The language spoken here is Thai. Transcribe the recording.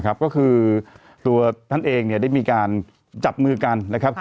ก็คือตัวท่านเองได้มีการจับมือกันนะครับ